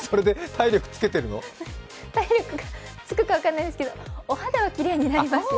体力つくか分からないですけど、お肌はきれいになります。